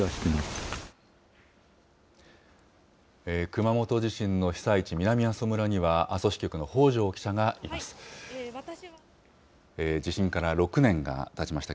熊本地震の被災地、南阿蘇村には阿蘇支局の北条記者がいます。